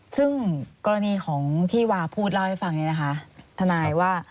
ซึ่งกรณีที่วาพูดเล่าให้ฟังนี้นะคะทนาย